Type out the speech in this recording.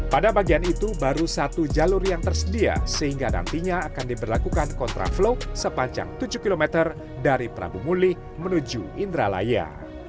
pada bagian itu baru satu jalur yang tersedia sehingga nantinya akan diberlakukan kontraflow sepanjang tujuh km dari prabu mulih menuju indralaya